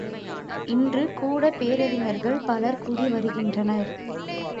இன்றுங் கூடப் பேரறிஞர்கள் பலர் கூறி வருகின்றனர்.